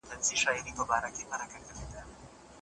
بس دا یو زه دي رسوا یم عاشقان را خبر نه سي